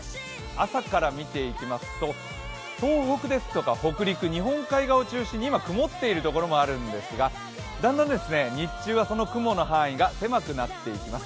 朝から見ていきますと東北や北陸、日本海側を中心に今曇っているところがあるんですが、だんだん日中はその雲の範囲が狭くなっていきます。